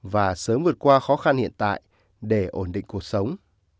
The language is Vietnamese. và sớm vượt qua khó khăn hiện tại để ổn định cuộc sống